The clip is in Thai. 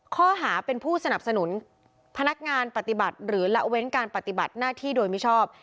ข้อหาเป็นผู้สนับสนุนพนักงานปฏิบัติหรือละเว้นการปฏิบัติหน้าที่โดยมิชอบ